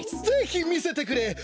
ぜひみせてくれ！